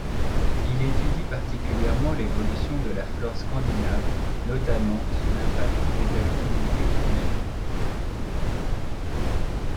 Il étudie particulièrement l’évolution de la flore scandinave notamment sous l’impact des activités humaines.